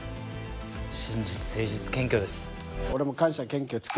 「真実誠実謙虚」です。